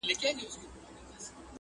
ماتم دی په دې ښار کي جنازې دي چي راځي!!